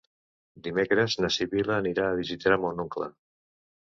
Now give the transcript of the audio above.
Dimecres na Sibil·la anirà a visitar mon oncle.